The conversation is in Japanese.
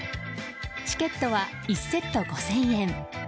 チケットは１セット５０００円。